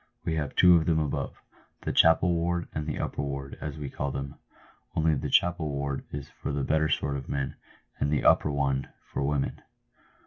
We have two of them above — the ' chapel ward ' and the 'upper ward,' as we call them — only the chapel ward is for the better sort of men, and the upper one for women.